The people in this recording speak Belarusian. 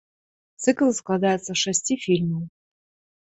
Цыкл складаецца з шасці фільмаў.